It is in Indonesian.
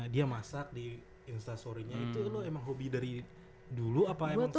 dia masak di insta storynya itu lo emang hobi dari dulu apa emang setelah itu